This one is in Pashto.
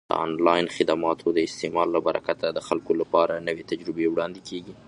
د آنلاین خدماتو د استعمال له برکته د خلکو لپاره نوې تجربې وړاندې کیږي.